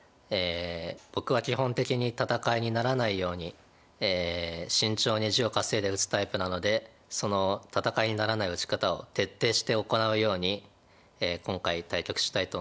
僕は基本的に戦いにならないように慎重に地を稼いで打つタイプなのでその戦いにならない打ち方を徹底して行うように今回対局したいと思います。